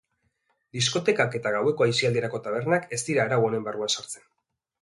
Diskotekak eta gaueko aisialdirako tabernak ez dira arau honen barruan sartzen.